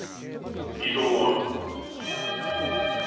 異存はあるか。